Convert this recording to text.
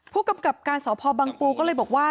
ผู้กำกับการสพบังปูก็เลยบอกว่า